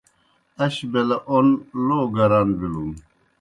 اش بیلہ اوْن لو گران بِلُن۔